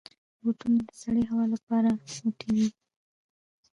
بوټونه د سړې هوا لپاره موټی وي.